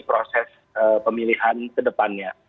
proses pemilihan kedepannya